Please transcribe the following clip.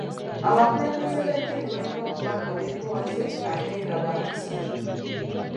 Abakulembeze b'eddiini balina okuba abeetoowaze ate nga ba mpisa.